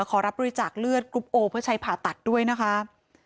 ขอรับบริจาคเลือดกรุ๊ปโอเพื่อใช้ผ่าตัดด้วยนะคะ